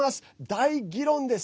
大議論です。